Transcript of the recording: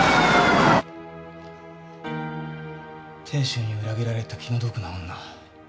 亭主に裏切られた気の毒な女。